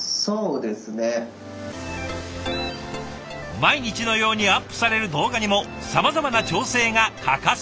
毎日のようにアップされる動画にもさまざまな調整が欠かせない。